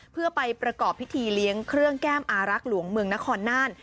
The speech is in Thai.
เพื่อไปประกอบพิธีเลี้ยงเครื่องแก้มอารักษ์หลวงเมืองนครน่าน